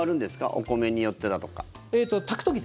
お米によってだとか。